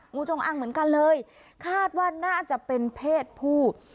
งูจงอังเหมือนกันเลยคาดว่าน่าจะเป็นเพศผู้